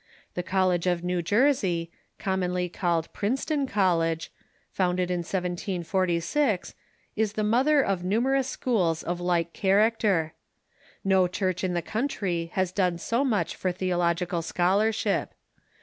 The College of New Jersey, commonly called Princeton College, founded in 1746, is the mother of numerous schools of like character. No Church in the coun try has done so much for theological scholarship.